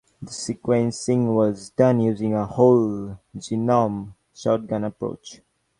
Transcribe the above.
The sequencing was done using a whole-genome shotgun approach.